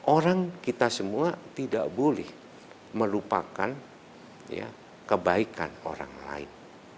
orang kita semua tidak boleh melupakan kebaikan orang lain